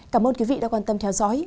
cảm ơn quý vị đã quan tâm theo dõi